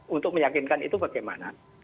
untuk meyakinkan itu bagaimana